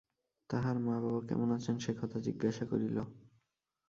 তাহার মা-বাবা কেমন আছেন সেকথা জিজ্ঞাসা করিল।